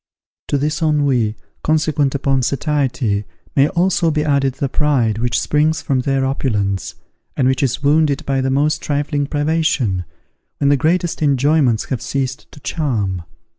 To this ennui, consequent upon satiety, may also be added the pride which springs from their opulence, and which is wounded by the most trifling privation, when the greatest enjoyments have ceased to charm.